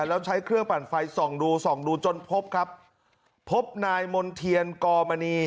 แล้วใช้เครื่องปั่นไฟส่องดูส่องดูจนพบครับพบนายมณ์เทียนกรมณี